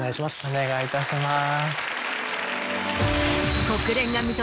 お願いいたします。